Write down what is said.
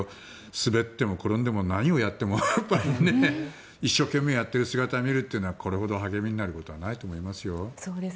滑っても転んでも何をやっても一生懸命やっている姿を見るというのはこれほど励みになることはないと思いますよ。